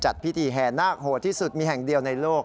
จัดพิธีแห่นาคโหดที่สุดมีแห่งเดียวในโลก